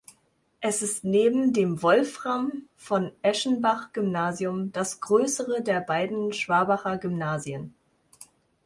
Es ist neben dem Wolfram-von-Eschenbach-Gymnasium das größere der beiden Schwabacher Gymnasien.